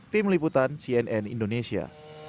tim liputan cnn indonesia